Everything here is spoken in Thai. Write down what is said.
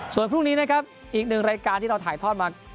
ส่วนพรุ่งนี้นะครับอีกหนึ่งรายการที่เราถ่ายทอดมา